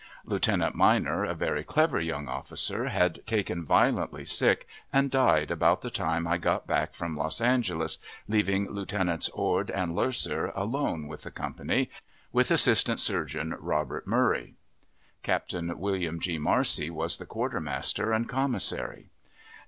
Lieutenant Minor, a very clever young officer, had taken violently sick and died about the time I got back from Los Angeles, leaving Lieutenants Ord and Loeser alone with the company, with Assistant Surgeon Robert Murray. Captain William G. Marcy was the quartermaster and commissary.